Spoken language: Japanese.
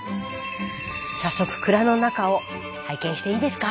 早速蔵の中を拝見していいですか？